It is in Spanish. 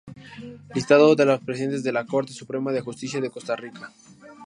Listado de los Presidentes de la Corte Suprema de Justicia de Costa Rica.